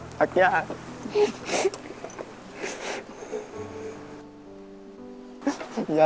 รักจ้า